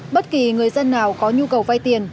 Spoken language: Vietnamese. bất kỳ người dân nào có nhu cầu vay tiền